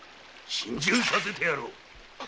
心中させてやろう。